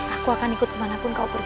aku akan ikut kemanapun kau pergi